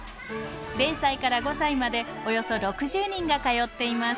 ０歳から５歳までおよそ６０人が通っています。